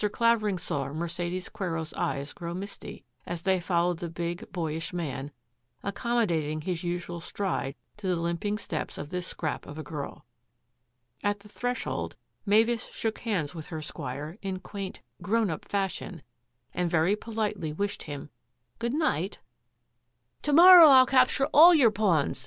Clavering saw Mercedes Quero's eyes grow misty as they followed the big, boyish man, ac commodating his usual stride to the limping steps of this scrap of a girl. At the threshold Mavis shook hands with her squire in quaint " grown up " fashion, and very politely wished him " good night." " To morrow FU capture all your pawns